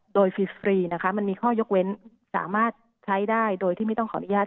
โดยฟรีสตรีนะคะมันมีข้อยกเว้นสามารถใช้ได้โดยที่ไม่ต้องขออนุญาต